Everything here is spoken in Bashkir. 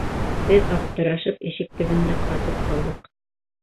Беҙ, аптырашып, ишек төбөндә ҡатып ҡалдыҡ.